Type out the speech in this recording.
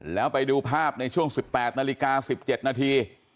แล้วไปดูภาพในช่วง๑๘นาฬิกา๑๗นาที